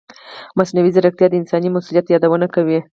مصنوعي ځیرکتیا د انساني مسؤلیت یادونه کوي.